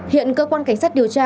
hiện cơ quan cảnh sát điều tra